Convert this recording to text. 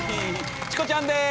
チコちゃんです